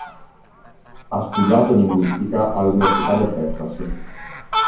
Ha studiato linguistica all'Università del Texas.